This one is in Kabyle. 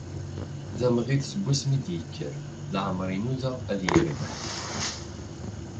D amɣid seg wasmi i d-ikker, leɛmer i inuda ad yerbeḥ.